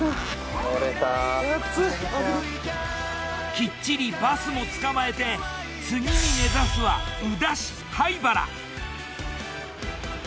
きっちりバスも捕まえて次に目指すは宇陀市榛原。